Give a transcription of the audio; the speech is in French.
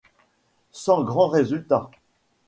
Sans grand résultat.